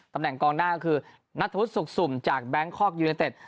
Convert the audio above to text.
ตำแหน่งกล้องหน้าก็คือณฑุษสุกสุ่มจากแบงค์คอกยูเนตเต็ด